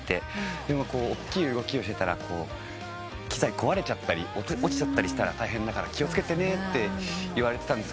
でもおっきい動きをしてたら機材壊れちゃったり落ちちゃったりしたら大変だから気を付けてねって言われてたんですけど。